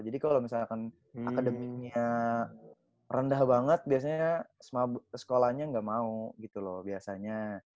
jadi kalau misalkan academicnya rendah banget biasanya sekolahnya gak mau gitu loh biasanya